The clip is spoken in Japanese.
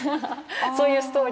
そういうストーリーが。